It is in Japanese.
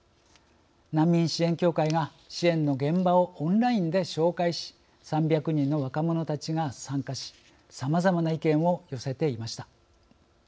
難民支援協会が支援の現場をオンラインで紹介し３００人の若者たちが参加しさまざまな意見を寄せていました。